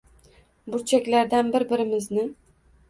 Burchaklardan bir-birimizni